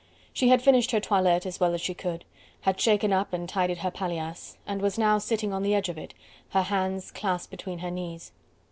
She had finished her toilet as well as she could, had shaken up and tidied the paillasse, and was now sitting on the edge of it, her hands clasped between her knees.